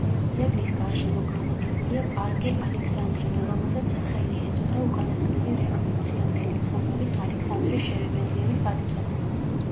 ძეგლის გარშემო განლაგებულია პარკი ალექსანდრინო, რომელსაც სახელი ეწოდა უკანასკნელი რევოლუციამდელი მფლობელის ალექსანდრე შერემეტიევის პატივსაცემად.